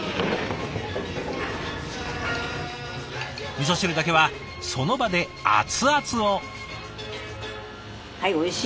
みそ汁だけはその場でアツアツを。